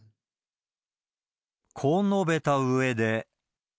こう述べたうえで。